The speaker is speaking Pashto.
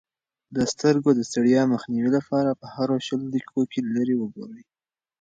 د سترګو د ستړیا مخنیوي لپاره په هرو شلو دقیقو کې لیرې وګورئ.